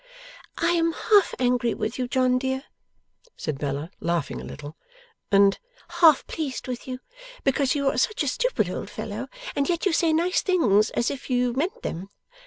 'I am half angry with you, John dear,' said Bella, laughing a little, 'and half pleased with you; because you are such a stupid old fellow, and yet you say nice things, as if you meant them.